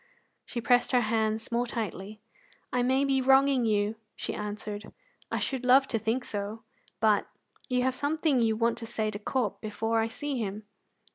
She pressed her hands more tightly. "I may be wronging you," she answered; "I should love to think so; but you have something you want to say to Corp before I see him."